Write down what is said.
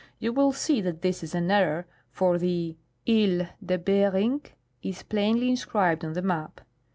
You will see that this is an error, for the " I (sle) cle Beering " is plainly inscribed on the map.